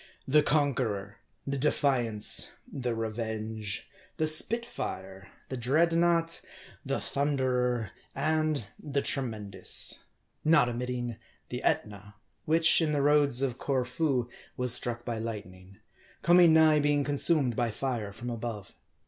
The Conqueror, the Defiance, the Revenge, the Spitfire, the Dreadnaught, the Thunderer, and the Tremendous ; not omitting the Etna, which, in the Roads of Corfu, was struck by light ning, coming nigh being consumed by fire from above.